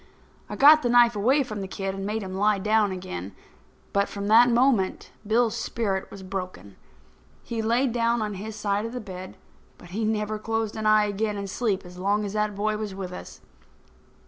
I got the knife away from the kid and made him lie down again. But, from that moment, Bill's spirit was broken. He laid down on his side of the bed, but he never closed an eye again in sleep as long as that boy was with us.